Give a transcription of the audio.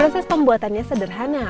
proses pembuatannya sederhana